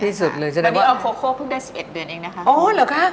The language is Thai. ที่สุดเลยจริงว่าอเรนนี่เอาโฟโค้กเพิ่งได้๑๑เดือนเองนะคะ